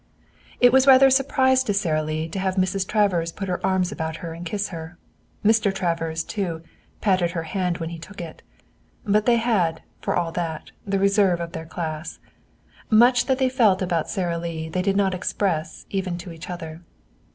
It was rather a surprise to Sara Lee to have Mrs. Travers put her arms about her and kiss her. Mr. Travers, too, patted her hand when he took it. But they had, for all that, the reserve of their class. Much that they felt about Sara Lee they did not express even to each other.